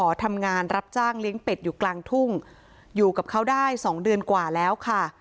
ทำงานรับจ้างเลี้ยงเป็ดอยู่กลางทุ่งอยู่กับเขาได้สองเดือนกว่าแล้วค่ะ